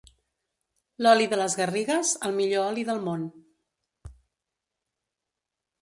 L'oli de les Garrigues, el millor oli del món.